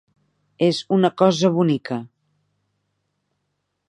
És una cosa bonica.